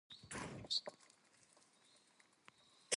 The house is now used as the fraternity house of Phi Gamma Delta.